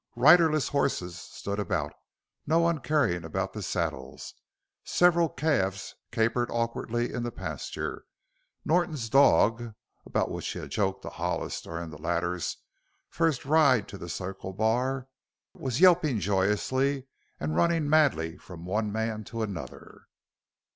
Riderless horses stood about, no one caring about the saddles, several calves capered awkwardly in the pasture. Norton's dog about which he had joked to Hollis during the latter's first ride to the Circle Bar was yelping joyously and running madly from one man to another.